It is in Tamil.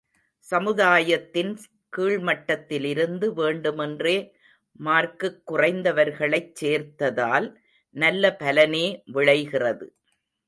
சமுதாயத்தின் கீழ்மட்டத்திலிருந்து, வேண்டுமென்றே மார்க்குக் குறைந்தவர்களைச் சேர்த்ததால், நல்ல பலனே விளைகிறது.